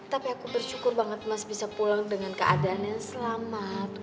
tapi aku bersyukur banget mas bisa pulang dengan keadaan yang selamat